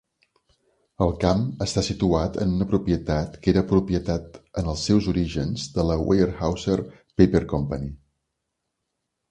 El camp està situat en una propietat que era propietat en els seus orígens de la Weyerhauser Paper Company.